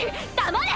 黙れ！！